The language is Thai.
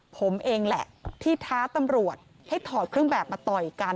ผมเองแหละที่ท้าตำรวจให้ถอดเครื่องแบบมาต่อยกัน